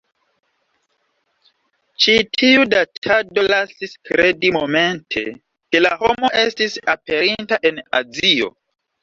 Ĉi tiu datado lasis kredi momente, ke la homo estis aperinta en Azio.